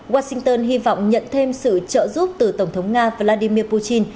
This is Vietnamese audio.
washington hy vọng nhận thêm sự trợ giúp từ tổng thống nga vladimir putin